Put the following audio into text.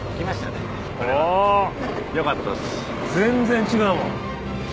全然違うもん。